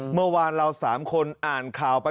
เมื่อวานเรา๓คนอ่านข่าวไป